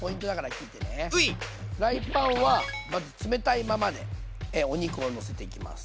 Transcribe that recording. フライパンはまず冷たいままでお肉をのせていきます。